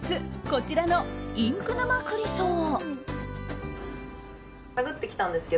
こちらのインク沼クリソー。